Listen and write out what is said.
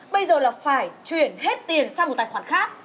bây giờ là phải chuyển hết tiền sang một tài khoản khác